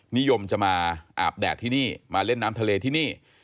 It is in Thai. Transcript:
นิยมจะมาอาบแดดที่นี่มาเล่นน้ำทะเลที่นี่